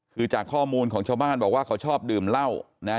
คือจากข้อมูลของชาวบ้านบอกว่าเขาชอบดื่มเหล้านะฮะ